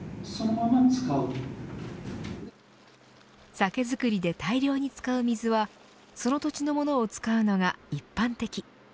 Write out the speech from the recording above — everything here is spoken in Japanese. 酒造りで大量に使う水はその土地のものを使うのが一般的。